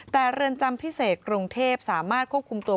แต่เรือนจำพิเศษกรุงเทพสามารถควบคุมตัว